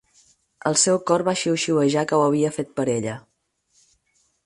El seu cor va xiuxiuejar que ho havia fet per ella.